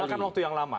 mau akan waktu yang lama